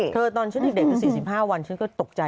เธอตอนฉันอีกเด็กตั้ง๔๕วันฉันก็ตกใจ